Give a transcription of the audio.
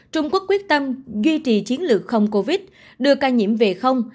trung quốc quyết tâm duy trì chiến lược không covid đưa ca nhiễm về không